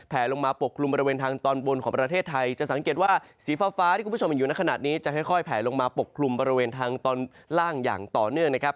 ลงมาปกคลุมบริเวณทางตอนบนของประเทศไทยจะสังเกตว่าสีฟ้าที่คุณผู้ชมเห็นอยู่ในขณะนี้จะค่อยแผลลงมาปกคลุมบริเวณทางตอนล่างอย่างต่อเนื่องนะครับ